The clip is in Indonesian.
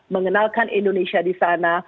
mengenalkan indonesia di sana